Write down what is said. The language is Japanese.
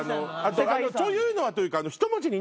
「というのは」というか。